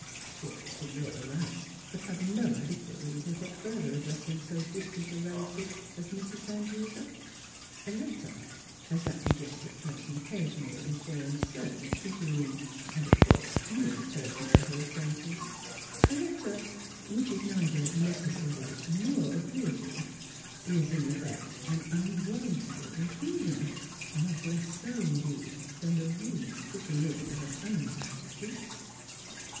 Surely Philura Rice could have no ade quate reason for further addressing so distant a relative as Mrs. Van Duser. "A letter," as that majestic person oc casionally informed certain presuming (and of course needy) persons of her ac quaintance — "a letter, which is neither necessary nor agreeable, is, in effect, an unwarrantable intrusion ; not less so, in deed, than the rude pushing in of an unin vited guest."